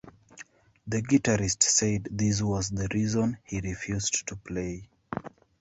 The guitarist said this was the reason he refused to play.